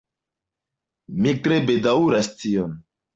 Mi tre bedaŭras tion.